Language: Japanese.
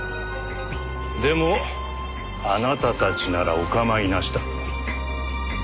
でもあなたたちならお構いなしだと？